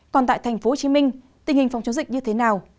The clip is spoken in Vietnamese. còn tại tp hcm tình hình phòng chống dịch như thế nào